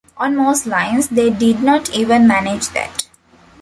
On most lines, they did not even manage that.